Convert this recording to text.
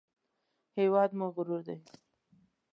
هېواد مو غرور دی